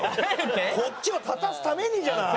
こっちを立たすためにじゃない！